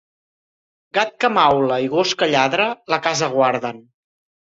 Gat que maula i gos que lladra la casa guarden.